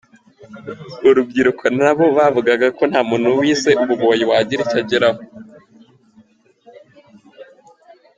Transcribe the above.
Urubyiruko na bo bavugaga ko nta muntu wize ububoyi wagira icyo ageraho.